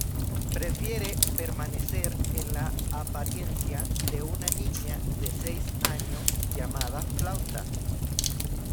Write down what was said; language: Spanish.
Prefiere permanecer en la apariencia de una niña de seis años llamada "Flauta".